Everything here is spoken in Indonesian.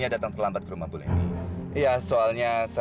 saya mungkin minta teman bu leni untuk tanyaku sebuah pertanyaan